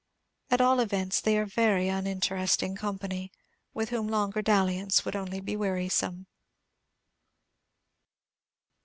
At all events, they are very uninteresting company, with whom longer dalliance would only be wearisome.